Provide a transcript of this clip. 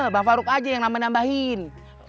bang farouk aja yang nambah nambahin